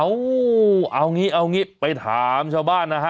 อ้าววววเอางี้เอาคันไปถามชาวบ้านค่ะ